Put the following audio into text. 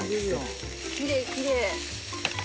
きれいきれい。